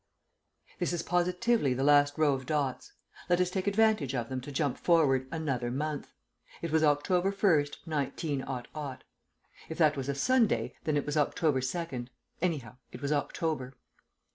..... This is positively the last row of dots. Let us take advantage of them to jump forward another month. It was October 1st, 19 . (If that was a Sunday, then it was October 2nd. Anyhow, it was October.)